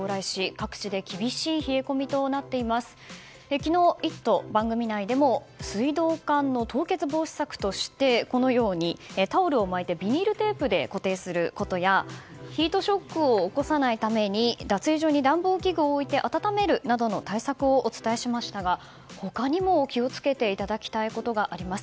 昨日、「イット！」の番組内でも水道管の凍結防止策としてこのようにタオルを巻いてビニールテープで固定することやヒートショックを起こさないため脱衣所に暖房器具を置いて温めるなどの対策をお伝えしましたが他にも、気を付けていただきたいことがあります。